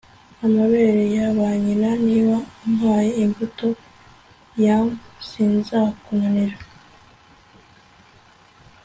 amabere ya ba nyina. niba umpaye imbuto yam, sinzakunanira